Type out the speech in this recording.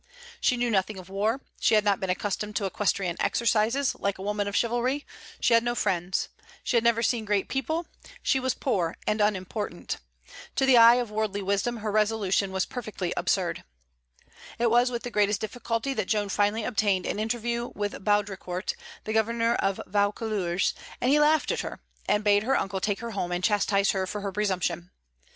She knew nothing of war; she had not been accustomed to equestrian exercises, like a woman of chivalry; she had no friends; she had never seen great people; she was poor and unimportant. To the eye of worldly wisdom her resolution was perfectly absurd. It was with the greatest difficulty that Joan finally obtained an interview with Boudricourt, the governor of Vaucouleurs; and he laughed at her, and bade her uncle take her home and chastise her for her presumption.